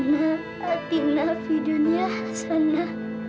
tuhan kami berdoa di dunia ini